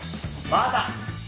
まだ！